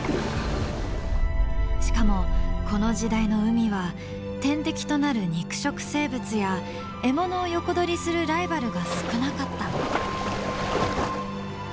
しかもこの時代の海は天敵となる肉食生物や獲物を横取りするライバルが少なかった。